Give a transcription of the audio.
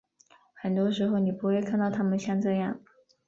很多时候你不会看到他们像这样。